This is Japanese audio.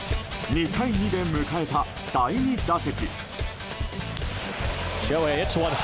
２対２で迎えた第２打席。